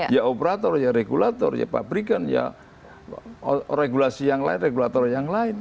ya operator ya regulator ya pabrikan ya regulasi yang lain regulator yang lain